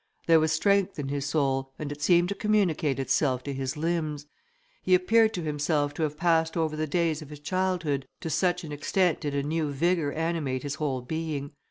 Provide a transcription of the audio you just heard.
There was strength in his soul, and it seemed to communicate itself to his limbs. He appeared to himself to have passed over the days of his childhood, to such an extent did a new vigour animate his whole being.